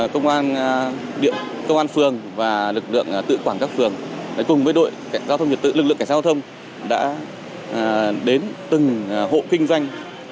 công an phường và lực lượng tự quảng các phường cùng với đội lực lượng cảnh sát giao thông đã đến từng hộ kinh doanh